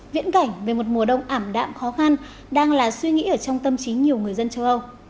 viễn cảnh về một mùa đông ảm đạm khó khăn đang là suy nghĩ ở trong tâm trí nhiều người dân châu âu